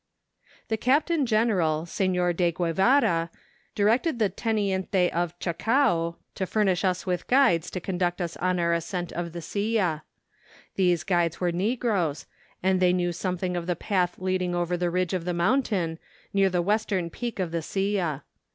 The Captain Greneral, Sehor de Gruevara, directed the teniente of Chacao to furnish us with guides to con¬ duct us on our ascent of the Silla. These guides were Negroes, and they knew something of the path leading over the ridge of the mountain, near the western peak of the Silla.